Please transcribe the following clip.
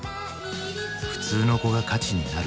普通の子が価値になる。